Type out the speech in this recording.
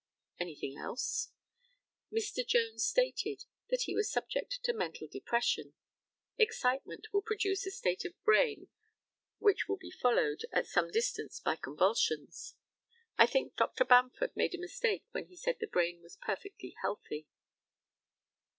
Anything else? Mr. Jones stated that he was subject to mental depression. Excitement will produce a state of brain which will be followed, at some distance, by convulsions. I think Dr. Bamford made a mistake when he said the brain was perfectly healthy.